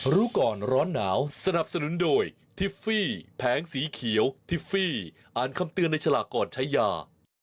รู้ก่อนร้อนหนาวสนับสนุนโดยทิฟฟี่แผงสีเขียวทิฟฟี่อ่านคำเตือนในฉลากก่อนใช้ยา